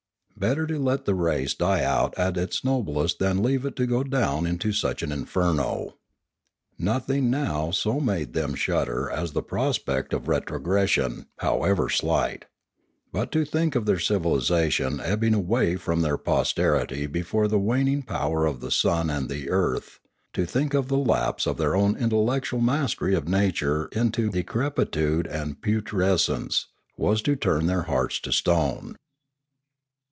Better to let the race die out at its noblest than leave it to go down into such an inferno. Nothing now so made them shudder as the prospect of retrogression, however slight. But to think of their civilisation ebbing away from their posterity before the waning power of the sun and the earth, to think of the lapse of their own intellectual mastery of nature into decrepitude and putrescence, was to turn their hearts to stone.